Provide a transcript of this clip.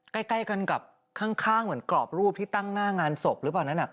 ใกล้กันกับข้างเหมือนกรอบรูปที่ตั้งหน้างานศพหรือเปล่านั้น